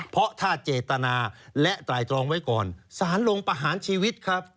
เพราะถ้าเจตนาและไตรตรองไว้ก่อนสารลงประหารชีวิตครับ